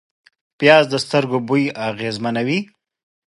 پیاز د سترګو بوی اغېزمنوي